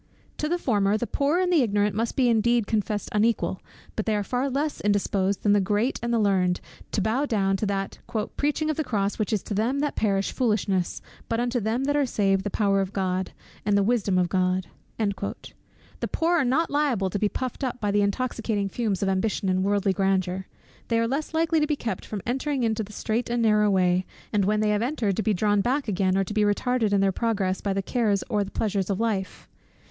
To the former, the poor and the ignorant must be indeed confessed unequal; but they are far less indisposed than the great and the learned, to bow down to that "preaching of the cross which is to them that perish foolishness, but unto them that are saved the power of God, and the wisdom of God." The poor are not liable to be puffed up by the intoxicating fumes of ambition and worldly grandeur. They are less likely to be kept from entering into the strait and narrow way, and when they have entered to be drawn back again or to be retarded in their progress, by the cares or the pleasures of life.